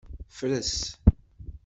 Fres.